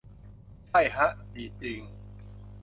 ใช่ฮะ ดีจริง